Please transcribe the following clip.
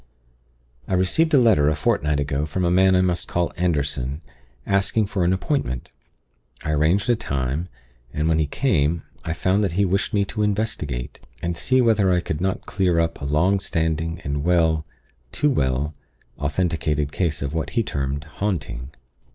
"I received a letter a fortnight ago from a man I must call Anderson, asking for an appointment. I arranged a time, and when he came, I found that he wished me to investigate and see whether I could not clear up a long standing and well too well authenticated case of what he termed 'haunting.'